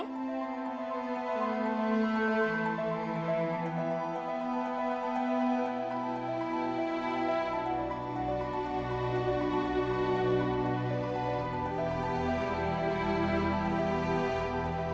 hai hai atau